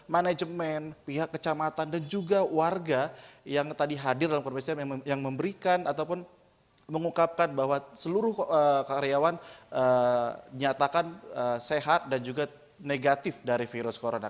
manajemen pihak kecamatan dan juga warga yang tadi hadir dalam konferensi yang memberikan ataupun mengungkapkan bahwa seluruh karyawan nyatakan sehat dan juga negatif dari virus corona